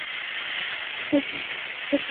তিনি দিনাজপুরের নূরুল হুদায় বসবাস শুরু করেন।